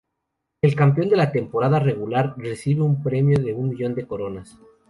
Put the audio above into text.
El campeón de la temporada regular recibe un premio de un millón de coronas.